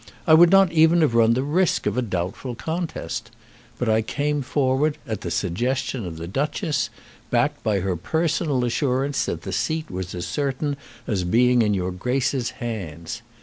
I would not even have run the risk of a doubtful contest. But I came forward at the suggestion of the Duchess, backed by her personal assurance that the seat was certain as being in your Grace's hands.